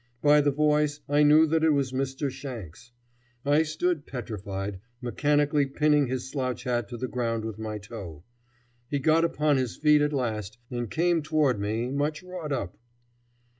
By the voice I knew that it was Mr. Shanks. I stood petrified, mechanically pinning his slouch hat to the ground with my toe. He got upon his feet at last and came toward me, much wrought up.